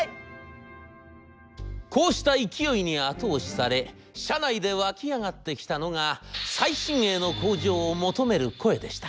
こうした勢いに後押しされ社内でわき上がってきたのが最新鋭の工場を求める声でした。